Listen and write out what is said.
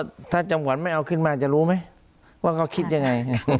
ถ้าจังหวัดไม่เอาขึ้นมาจะรู้ไหมว่าเขาคิดยังไง